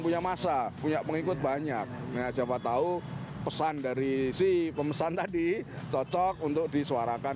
punya masa punya pengikut banyak siapa tahu pesan dari si pemesan tadi cocok untuk disuarakan